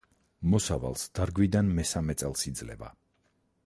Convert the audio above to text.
მოსავალს დარგვიდან მესამე წელს იძლევა.